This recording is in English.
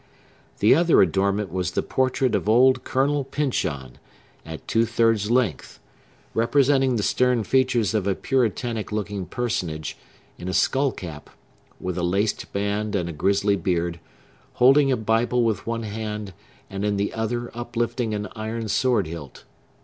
The other adornment was the portrait of old Colonel Pyncheon, at two thirds length, representing the stern features of a Puritanic looking personage, in a skull cap, with a laced band and a grizzly beard; holding a Bible with one hand, and in the other uplifting an iron sword hilt.